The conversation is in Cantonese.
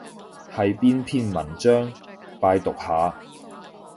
係邊篇文章？拜讀下